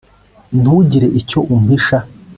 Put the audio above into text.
ntugire icyo umpisha